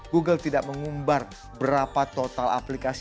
google tidak mengumbar berapa total aplikasi